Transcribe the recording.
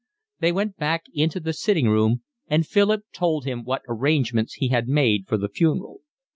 They went back into the sitting room, and Philip told him what arrangements he had made for the funeral.